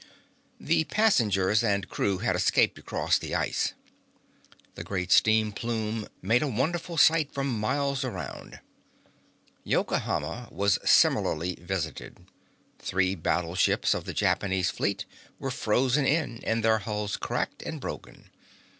The passengers and crew had escaped across the ice. The great steam plume made a wonderful sight for miles around. Yokohama was similarly visited. Three battleships of the Japanese fleet were frozen in and their hulls cracked and broken.